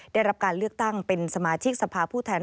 ได้รับการเลือกตั้งเป็นสมาชิกสภาผู้แทน